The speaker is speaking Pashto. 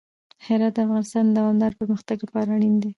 هرات د افغانستان د دوامداره پرمختګ لپاره اړین دی.